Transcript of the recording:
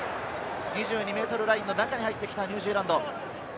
２２ｍラインの中に入ってきたニュージーランド。